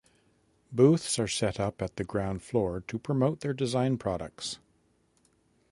Booths are set up at the ground floor to promote their design products.